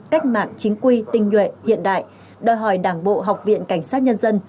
cách mạng chính quy tinh nhuệ hiện đại đòi hỏi đảng bộ học viện cảnh sát nhân dân